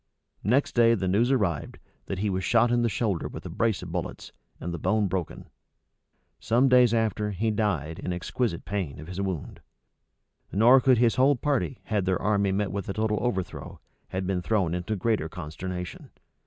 Next day the news arrived, that he was shot in the shoulder with a brace of bullets, and the bone broken. Some days after, he died, in exquisite pain, of his wound; nor could his whole party, had their army met with a total overthrow, have been thrown into greater consternation.